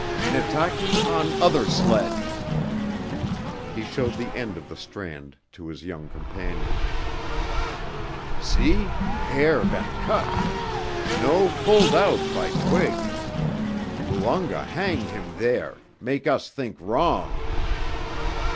"Minnetaki on other sledge!" He showed the end of the strand to his young companions. "See hair been cut! No pulled out by twig. Woonga hang heem there make us think wrong."